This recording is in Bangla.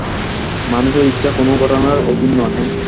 মানুষের ইচ্ছা কোন ঘটনার অধীন নহে।